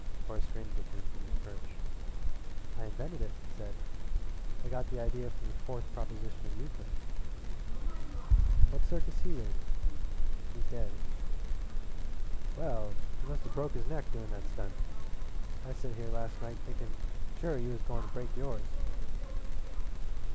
Horace grinned at him from his perch. "I invented it," he said. "I got the idea from the fourth proposition of Euclid." "What circus he with?" "He's dead." "Well, he must of broke his neck doin' that stunt. I set here last night thinkin' sure you was goin' to break yours."